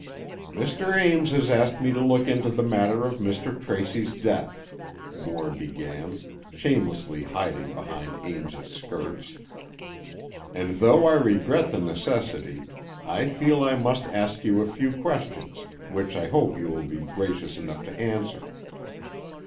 "Mr. Ames has asked me to look into the matter of Mr. Tracy's death," Moore began, shamelessly hiding behind Ames's skirts. "And though I regret the necessity, I feel I must ask you a few questions which I hope you will be gracious enough to answer."